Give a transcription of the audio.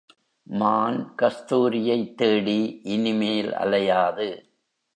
மான் கஸ்தூரியைத் தேடி இனிமேல் அலையாது.